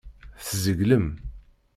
Tzeglem.